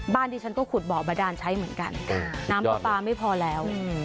บ้านที่ฉันก็ขุดบ่อบรรดาใช้เหมือนกันน้ำปลาไม่พอแล้ว